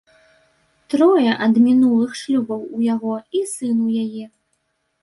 Трое ад мінулых шлюбаў у яго і сын у яе.